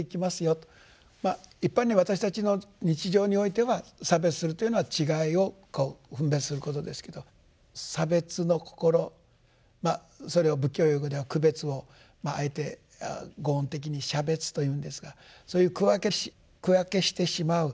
一般に私たちの日常においては差別するというのは違いを分別することですけど差別の心それを仏教用語では区別をあえて呉音的に「シャベツ」というんですがそういう区分けしてしまう。